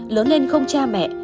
lớn lên không cha mẹ